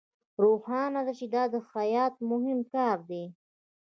روښانه ده چې دا د خیاط مهم کار دی